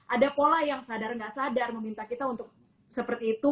ada pola yang sadar nggak sadar meminta kita untuk seperti itu